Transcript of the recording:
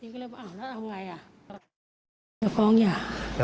ข้า